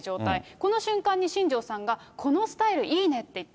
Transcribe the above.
この瞬間に新庄さんが、このスタイルいいねって言った。